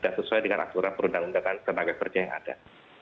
dan sesuai dengan akurat perundang undangan tenaga kerja yang ada